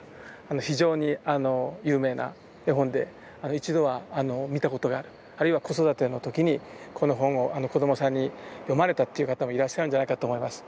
非常に有名な絵本で一度は見たことがあるあるいは子育ての時にこの本を子どもさんに読まれたっていう方もいらっしゃるんじゃないかと思います。